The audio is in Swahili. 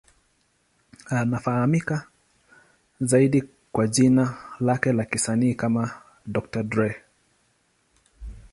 Anafahamika zaidi kwa jina lake la kisanii kama Dr. Dre.